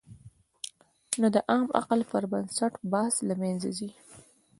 نو د عام عقل پر بنسټ بحث له منځه ځي.